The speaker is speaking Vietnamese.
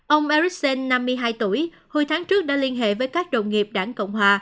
ông ericsson năm mươi hai tuổi hồi tháng trước đã liên hệ với các đồng nghiệp đảng cộng hòa